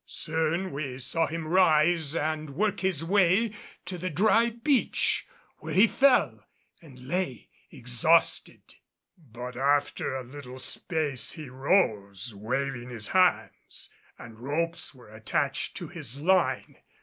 Soon we saw him rise and work his way to the dry beach, where he fell and lay exhausted. But after a little space he rose, waving his hands, and ropes were attached to his line.